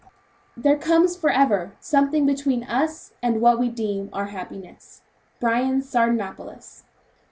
"There comes Forever something between us and what We deem our happiness." BYRON'S SARDANAPALUS.